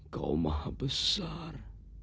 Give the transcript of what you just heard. kau maha besar